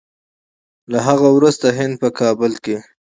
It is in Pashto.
له هغه وروسته هند په کابل کې